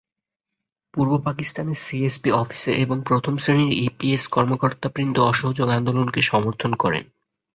পূর্ব পকিস্তানের CSP officer এবং প্রথম শ্রেণির ইপিসিএস কর্মকর্তাবৃন্দ অসহযোগ আন্দোলনকে সমর্থন করেন।